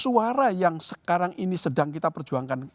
suara yang sekarang ini sedang kita percaya ya itu berapa kursi lagi